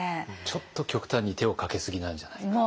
ちょっと極端に手をかけすぎなんじゃないか。